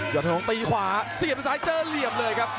อดทนงตีขวาเสียบซ้ายเจอเหลี่ยมเลยครับ